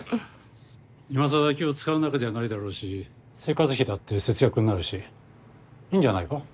今さら気を遣う仲じゃないだろうし生活費だって節約になるしいいんじゃないか？